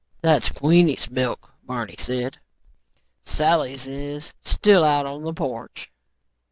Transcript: "That's Queenie's milk," Barney said. "Sally's is still out on the porch."